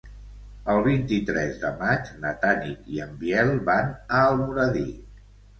El vint-i-tres de maig na Tanit i en Biel van a Almoradí.